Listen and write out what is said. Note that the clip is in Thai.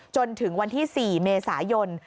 จนถึงวันที่๔เมษายน